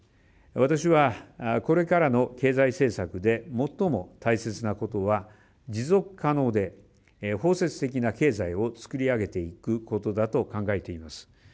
私は、これからの経済政策で最も大切なことは持続可能で包摂的な経済を作り上げていくことだと考えています。